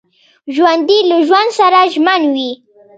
ژوندي له ژوند سره ژمن وي